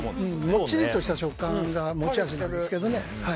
もっちりとした食感が持ち味ですね。